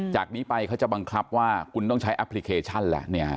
จากนี้ไปเขาจะบังคับว่าคุณต้องใช้แอปพลิเคชันแล้ว